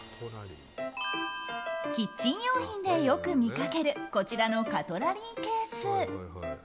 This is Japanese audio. キッチン用品でよく見かけるこちらのカトラリーケース